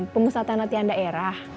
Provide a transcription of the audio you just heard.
pengusaha tanah tian daerah